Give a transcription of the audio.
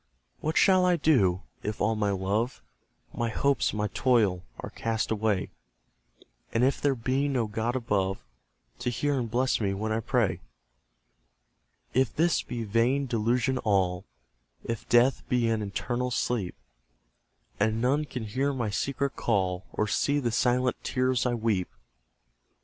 What shall I do, if all my love, My hopes, my toil, are cast away, And if there be no God above, To hear and bless me when I pray? If this be vain delusion all, If death be an eternal sleep, And none can hear my secret call, Or see the silent tears I weep!